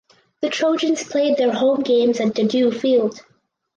The Trojans played their home games at Dedeaux Field.